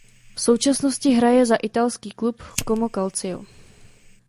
V současnosti hraje za italský klub Como Calcio.